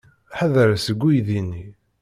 Ḥader seg uydi-nni!